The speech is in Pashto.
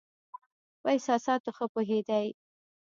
په احساساتو ښه پوهېدی.